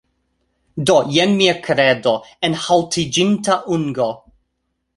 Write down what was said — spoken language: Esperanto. Do, jen mia kredo enhaŭtiĝinta ungo